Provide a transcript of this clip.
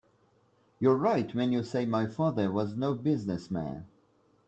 You're right when you say my father was no business man.